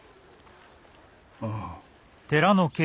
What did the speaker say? ああ。